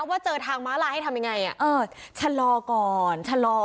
ว่าเจอทางม้าลายให้ทำยังไงชะลอก่อนชะลอ